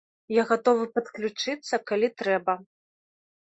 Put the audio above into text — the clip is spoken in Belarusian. Я гатовы падключыцца, калі трэба.